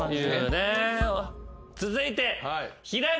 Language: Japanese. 続いて。